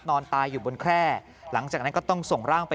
นอนตายอยู่บนแคร่หลังจากนั้นก็ต้องส่งร่างไป